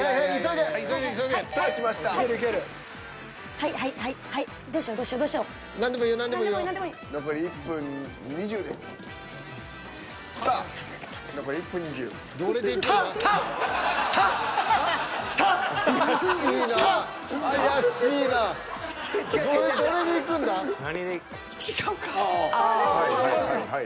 はいはいはいはい。